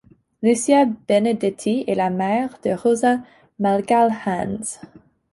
Lucia Benedetti est la mère de Rosa Magalhães.